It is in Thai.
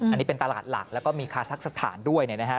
อันนี้เป็นตลาดหลักแล้วก็มีคาซักสถานด้วยเนี่ยนะฮะ